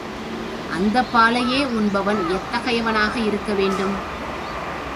அந்தப் பாலையே உண்பவன் எத்தகையவனாக இருக்க வேண்டும்?